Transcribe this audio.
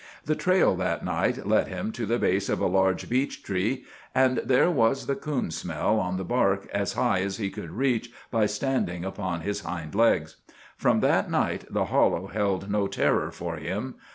The trail that night led him to the base of a large beech tree, and there was the coon smell on the bark as high as he could reach by standing upon his hind legs. From that night the hollow held no terror for him.